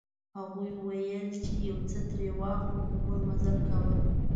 هغوی ویل چې یو څه ترې واخلو خو موږ مزل کاوه.